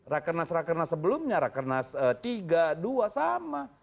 rakanas rakanas sebelumnya rakanas tiga dua sama